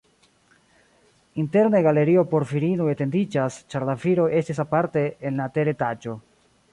Interne galerio por virinoj etendiĝas, ĉar la viroj estis aparte en la teretaĝo.